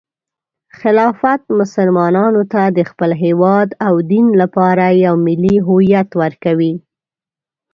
خلافت مسلمانانو ته د خپل هیواد او دین لپاره یو ملي هویت ورکوي.